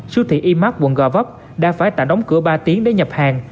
siêu thị imac quận gò vấp đã phải tạm đóng cửa ba tiếng để nhập hàng